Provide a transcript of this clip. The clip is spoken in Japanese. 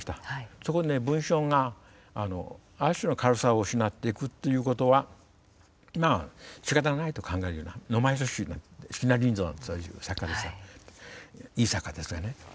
そこでね文章がある種の軽さを失っていくっていうことはまあしかたがないと考えるようななまやさしい椎名麟三なんてそういう作家ですがいい作家ですがね